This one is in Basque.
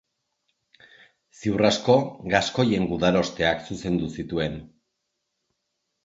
Ziur asko gaskoien gudarosteak zuzendu zituen.